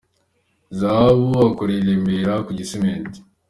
Zahabu akorera i Remera ku Gisimenti.